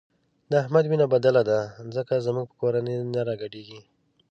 د احمد وینه بدله ده ځکه زموږ په کورنۍ نه راګډېږي.